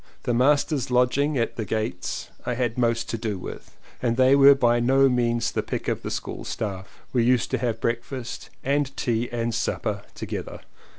The masters' lodging at "The Gates" I had most to do with and they were by no means the pick of the school staff. We used to have breakfast and tea and supper together.